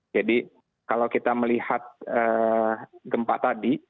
jadi kalau kita melihat gempa tadi